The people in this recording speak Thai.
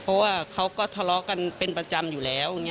เพราะว่าเขาก็ทะเลาะกันเป็นประจำอยู่แล้ว